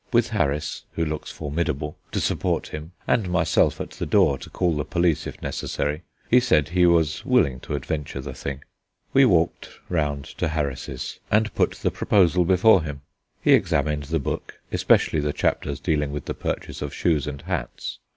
With Harris, who looks formidable, to support him, and myself at the door to call the police if necessary, he said he was willing to adventure the thing. We walked round to Harris's, and put the proposal before him. He examined the book, especially the chapters dealing with the purchase of shoes and hats.